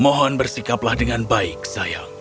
mohon bersikaplah dengan baik sayang